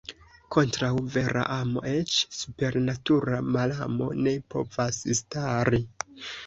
Kontraŭ vera amo eĉ supernatura malamo ne povas stari.